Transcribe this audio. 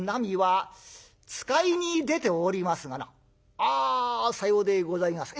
「ああさようでございますか。